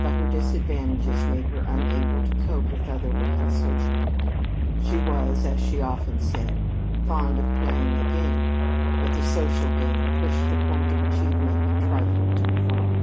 But her disadvantages made her unable to cope with other women socially. She was, as she often said, fond of playing a game; but the social game pushed the point of achievement a trifle too far.